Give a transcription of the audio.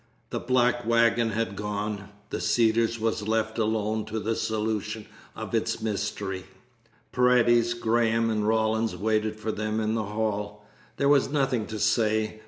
The black wagon had gone. The Cedars was left alone to the solution of its mystery. Paredes, Graham, and Rawlins waited for them in the hall. There was nothing to say.